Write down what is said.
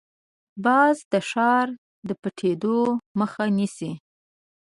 باز د ښکار د پټېدو مخه نیسي